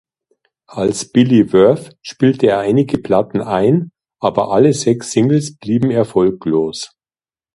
Als "Billy Worth" spielte er einige Platten ein, aber alle sechs Singles blieben erfolglos.